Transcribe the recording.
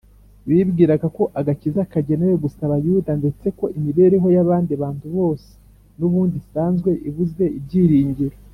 Bibwiraga ko agakiza kagenewe gusa Abayuda, ndetse ko imibereho y’abandi bantu bose n’ubundi isanzwe ibuze ibyiringiro,